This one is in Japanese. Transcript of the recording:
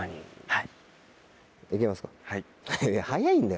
はい。